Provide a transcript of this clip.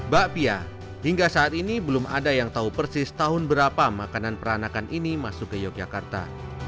bakpia hingga saat ini belum ada yang tahu persis tahun berapa makanan peranakan ini masuk ke yogyakarta